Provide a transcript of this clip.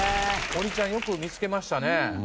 森ちゃんよく見つけましたね。